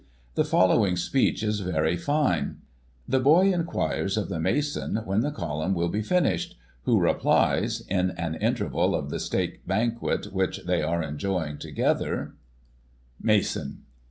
The following speech is very fine. The boy enquires of the mason when the column will be finished, who replies, in an interval of the steak ban quet, which they are enjoying together: Mason.